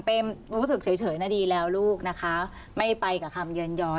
เป็นรู้สึกเฉยนะดีแล้วลูกนะคะไม่ไปกับคำเยือนย้อย